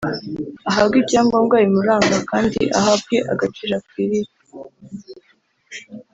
ahabwe ibyangombwa bimuranga kandi ahabwe agaciro akwiriye